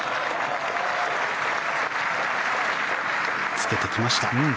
つけてきました。